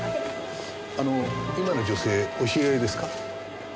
あの今の女性お知り合いですか？